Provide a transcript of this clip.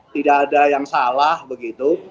tidak ada yang salah begitu